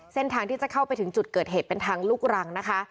เส้นทางที่จะเข้าไปถึงจุดเกิดเหตุเป็นทางลูกรังนะคะ